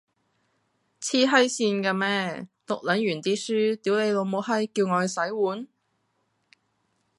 癡閪線嘅咩，讀撚完啲書，屌你老母閪，叫我去洗碗